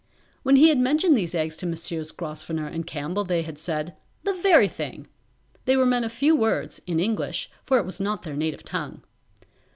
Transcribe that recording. When he had mentioned these eggs to Messrs. Grosvenor and Campbell they had said, "The very thing": they were men of few words, in English, for it was not their native tongue.